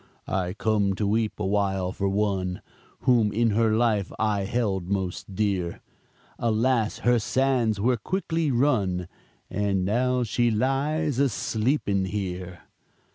"I come to weep a while for one Whom in her life I held most dear, Alas, her sands were quickly run, And now she lies a sleeping here."